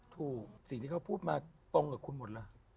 ถูกสิ่งที่เขาพูดมาตรงกับคุณหมดหรือ